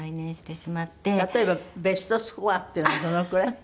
例えばベストスコアっていうのはどのくらい？